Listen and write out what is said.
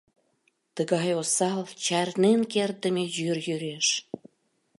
Тыгай осал, чарнен кертдыме йӱр йӱреш.